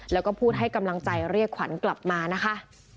แล้วก็พูดให้กำลังใจเรียกขวัญกลับมานะคะ